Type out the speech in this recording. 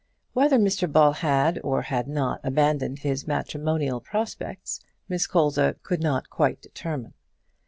Whether Mr Ball had or had not abandoned his matrimonial prospects, Miss Colza could not quite determine.